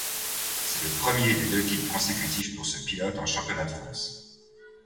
C'est le premier des deux titres consécutifs pour ce pilote en championnat de France.